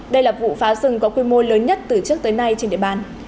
đây là vụ phá rừng có quy mô lớn nhất từ trước tới nay trên địa bàn